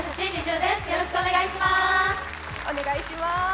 よろしくお願いします！